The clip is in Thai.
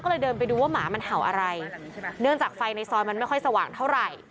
ก็เลยเดินไปดูว่าหมามันเห่าอะไรเนื่องจากไฟในซอยมันไม่ค่อยสว่างเท่าไหร่